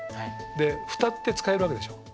でフタって使えるわけでしょ。